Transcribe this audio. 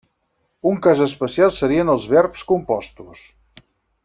Un cas especial serien els verbs compostos.